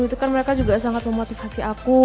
itu kan mereka juga sangat memotivasi aku